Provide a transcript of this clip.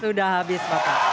sudah habis bapak